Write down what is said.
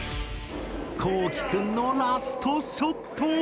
こうきくんのラストショット！